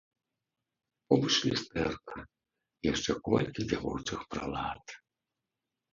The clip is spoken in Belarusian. Побач люстэрка, яшчэ колькі дзявочых прылад.